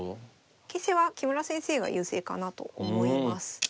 形勢は木村先生が優勢かなと思います。